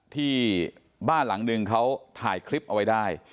ที่บ้านหลังนึงเขาถ่ายคลิปเอาไว้ได้